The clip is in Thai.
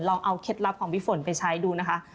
เราเอาเคล็ดลับของพี่ฝนไปใช้ดูนะคะ